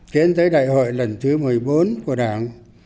tiến tới đại hội lần thứ một mươi bốn của đảng